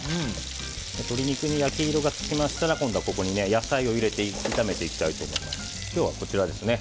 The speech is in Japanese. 鶏肉に焼き色がつきましたら今度はここに野菜を入れて炒めていきたいと思います。